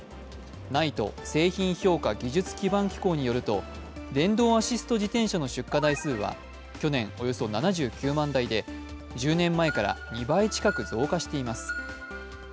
ＮＩＴＥ＝製品評価技術基盤機構によると電動アシスト自転車の出荷台数は去年およそ７９万台で、１０年前から２倍近く増加しています。